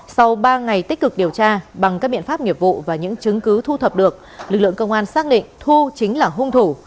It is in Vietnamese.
sau ba ngày tích cực điều tra bằng các biện pháp nghiệp vụ và những chứng cứ thu thập được lực lượng công an xác định thu chính là hung thủ